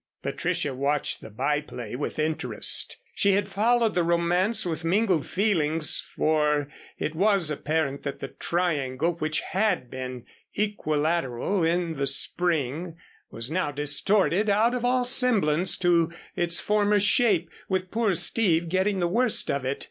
Patricia watched the by play with interest. She had followed the romance with mingled feelings, for it was apparent that the triangle which had been equilateral in the spring was now distorted out of all semblance to its former shape, with poor Steve getting the worst of it.